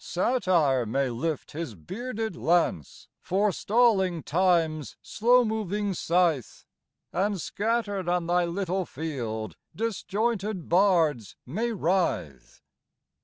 Satire may lift his bearded lance, Forestalling Time's slow moving scythe, And, scattered on thy little field, Disjointed bards may writhe.